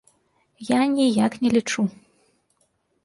Я ніяк не лічу.